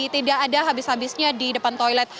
tidak ada habis habisnya di depan toilet